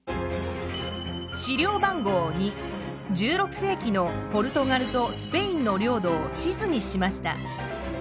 資料番号２１６世紀のポルトガルとスペインの領土を地図にしました。